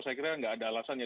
saya kira tidak ada alasannya